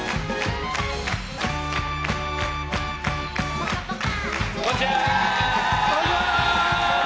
「ぽかぽか」！